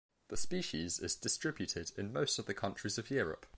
The species is distributed in most of the countries of Europe.